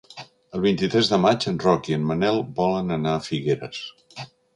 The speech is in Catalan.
El vint-i-tres de maig en Roc i en Manel volen anar a Figueres.